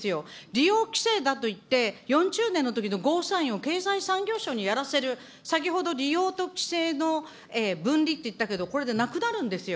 利用規制だといって、４０年のときのゴーサインを経済産業省にやらせる、先ほど利用と規制の分離って言ったけど、これでなくなるんですよ。